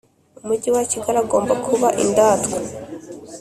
Umujyi wa Kigali agomba kuba indatwa